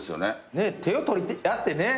手を取り合ってね。